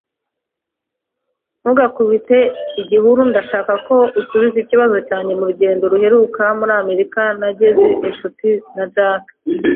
Ntugakubite igihuru. Ndashaka ko usubiza ikibazo cyanjye. Mu rugendo ruheruka muri Amerika, nagize inshuti na Jack.